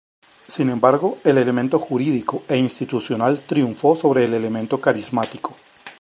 Sin embargo, el elemento jurídico e institucional triunfó sobre el elemento carismático.